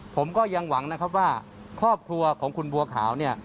ผมก็ยังหวังนะครับว่าครอบครัวของคุณบัวขาวเนี่ย